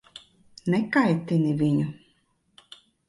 Nekaitini viņu.